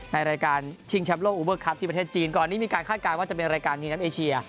ในรายการชิงแชมป์โลกอูเบอร์ครับที่ประเทศจีนก่อนนี้มีการคาดการณ์ว่าจะเป็นรายการชิงแชมป์เอเชีย